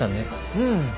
うん。